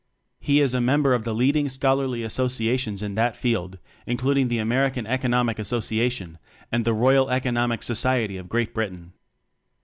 He is a member of the leading scholarly associations in that field, including the Amer ican Economic Association and the Royal Economic Society of Great Britain.